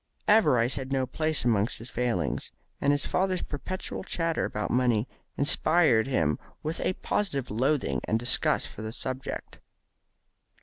Avarice had no place among his failings, and his father's perpetual chatter about money inspired him with a positive loathing and disgust for the subject.